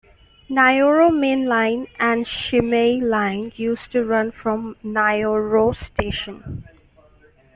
Nayoro Main Line and Shimmei Line used to run from Nayoro Station.